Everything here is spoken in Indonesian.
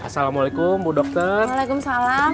assalamualaikum bu dokter waalaikumsalam